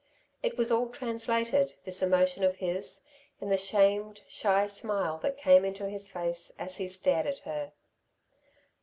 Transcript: It was all translated, this emotion of his, in the shamed, shy smile that came into his face as he stared at her.